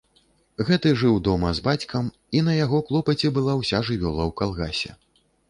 Гэты жыў дома з бацькам, і на яго клопаце была ўся жывёла ў калгасе.